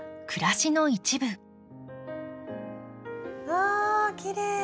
わきれい！